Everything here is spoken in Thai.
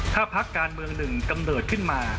ถ้าพักการเมืองหนึ่งกำเนิดขึ้นมา